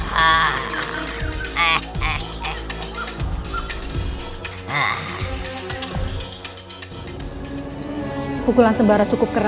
hai pukulan sebarat cukup